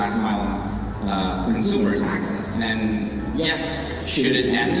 apakah ini akan berakhir akan berakhir saya pikir harusnya